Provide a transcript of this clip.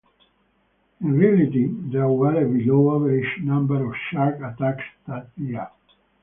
In reality, there were a below-average number of shark attacks that year.